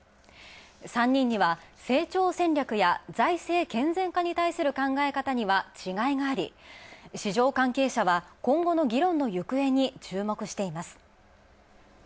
３人は成長戦略や財政健全化の考え方いは違いがあり、市場関係者は、今後の議論の行方に注目しています。